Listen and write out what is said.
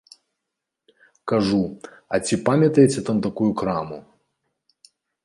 Кажу, а ці памятаеце там такую краму?